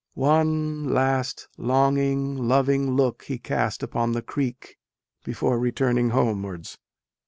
One last longing, loving look he cast upon the creek before returning homewards.